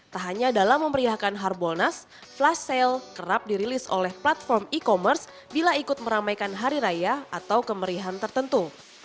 tak hanya dalam memeriahkan harbolnas flash sale kerap dirilis oleh platform e commerce bila ikut meramaikan hari raya atau kemerihan tertentu